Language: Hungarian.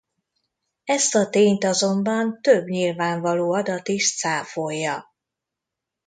Ezt a tényt azonban több nyilvánvaló adat is cáfolja.